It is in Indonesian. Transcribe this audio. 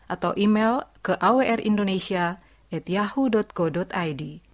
atau email ke awrindonesia yahoo co id